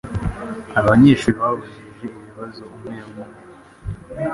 Abanyeshuri babajije ibibazo umwe umwe